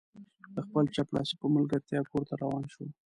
د خپل چپړاسي په ملګرتیا کور ته روان شو.